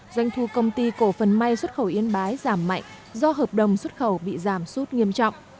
doanh thu công ty cổ phần may xuất khẩu yên bái giảm mạnh do hợp đồng xuất khẩu bị giảm sút nghiêm trọng